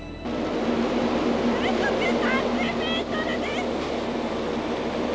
風速３０メートルです。